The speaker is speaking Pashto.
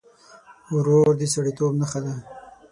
ورور د سړيتوب نښه ده.